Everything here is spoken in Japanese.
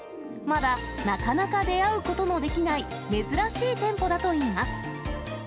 まだ、なかなか出会うことのできない、珍しい店舗だといいます。